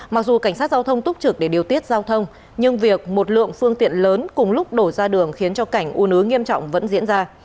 mặc dù cảnh sát giao thông túc trực để điều tiết giao thông nhưng việc một lượng phương tiện lớn cùng lúc đổ ra đường khiến cho cảnh u nứ nghiêm trọng vẫn diễn ra